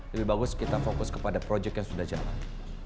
lebih bagus kita fokus kepada proyek yang sudah jalan